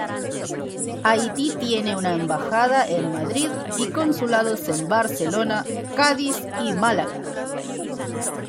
Haití tiene una embajada en Madrid, y consulados en Barcelona, Cádiz y Málaga.